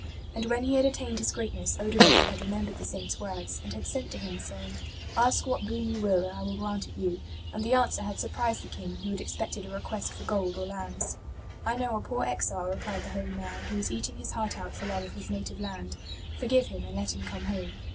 And when he had attained his greatness Odovaker had remembered the Saint's words, and had sent to him saying, '' Ask what boon you will, and I will grant it you." And the answer had surprised the King, who had expected a request for gold or lands. *' I know a poor exile," replied the holy man, '' who is eating his heart out for love of his native land. Forgive him and let him come home."